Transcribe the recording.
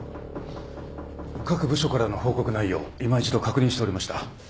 各部署からの報告内容をいま一度確認しておりました。